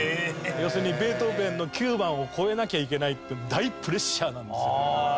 要するにベートーヴェンの『９番』を超えなきゃいけないって大プレッシャーなんですよ。へえ！